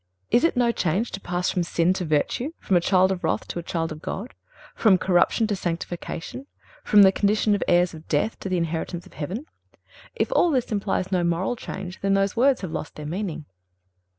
Is it no change to pass from sin to virtue, from a "child of wrath" to be a "child of God;" from corruption to sanctification; from the condition of heirs of death to the inheritance of heaven? If all this implies no moral change, then these words have lost their meaning.